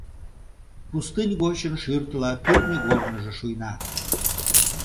Пустынь гочын шӱртыла кӱртньыгорныжо шуйна.